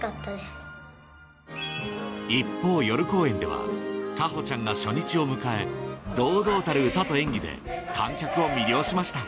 一方花帆ちゃんが初日を迎え堂々たる歌と演技で観客を魅了しました